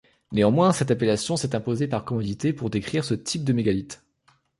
Néanmoins, cette appellation s'est imposée par commodité pour décrire ce type de mégalithe.